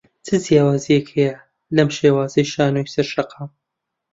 چ جیاوازییەک هەیە لەم شێوازەی شانۆی سەر شەقام؟